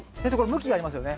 向きがあります。